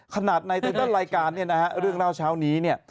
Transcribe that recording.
ขนาดในใต้ด้านรายการเนี่ยนะฮะเรื่องราวเช้านี้เนี่ย